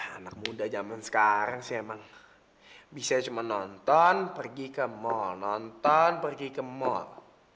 anak muda zaman sekarang sih emang bisa cuma nonton pergi ke mall nonton pergi ke mal